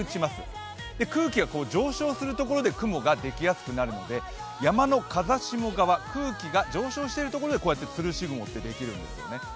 空気が上昇するところで雲ができやすくなるので、山の風下側、空気が上昇しているところでこうやってつるし雲ができるんですね。